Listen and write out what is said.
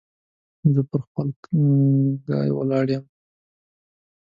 زه پر خپل ګای ولاړ يم.